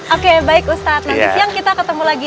oke baik ustadz nanti siang kita ketemu lagi